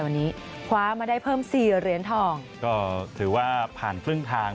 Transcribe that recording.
วันนี้คว้ามาได้เพิ่มสี่เหรียญทองก็ถือว่าผ่านครึ่งทาง